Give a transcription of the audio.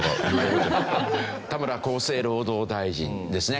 田村厚生労働大臣ですね。